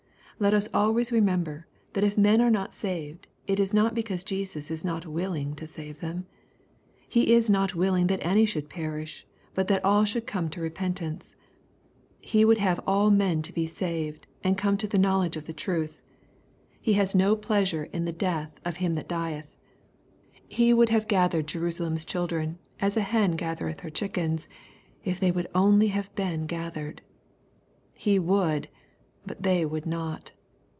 Let us always remember, that if men are not saved, it is not because Jesus is not willing to save them. He js^ not willing that any should perish, but that all should come to repentance. — ^He would have all men to be saved and come to the knowledge of the truth. — He has no pleasure 138 EXPOsrroBT thouohts. in the death o f /him that dieth. — ^He w ould have gath ered Jerusalem's childrgxjj^as a hen gathereth her chick * ens, if they would only have been gathered. He wo uld, but thev would not.